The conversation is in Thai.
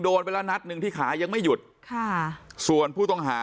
โดนไปแล้วนัดหนึ่งที่ขายังไม่หยุดค่ะส่วนผู้ต้องหา